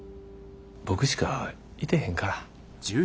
僕しかいてへんから。